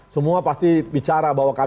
semua pasti bicara bahwa